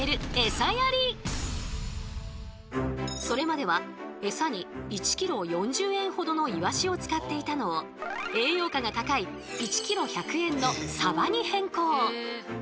それまではエサに１ｋｇ４０円ほどのイワシを使っていたのを栄養価が高い１ｋｇ１００円のサバに変更。